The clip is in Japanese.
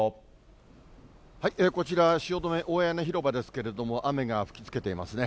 こちら、汐留大屋根広場ですけれども、雨が吹き付けていますね。